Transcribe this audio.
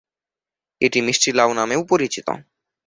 এটি মিষ্টি লাউ নামেও পরিচিত।